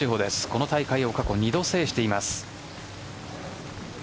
この大会を過去に２度制しています。